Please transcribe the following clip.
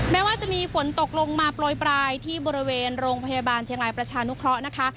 แม้ว่าจะมีฝนตกลงมาโปรยปลายที่บริเวณโรงพยาบาลเชียงรายประชานุเคราะห์นะคะ